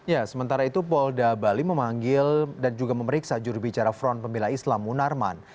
ya sementara itu polda bali memanggil dan juga memeriksa jurubicara front pembela islam munarman